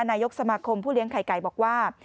นายกสมาคมผู้เลี้ยงไข่ไก่บอกว่า